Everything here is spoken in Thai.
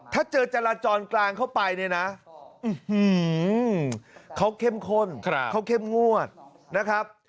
ถ้าเจอจราจรกลางเข้าไปเนี่ยนะเขาเข้มข้นเขาเข้มงวดนะครับ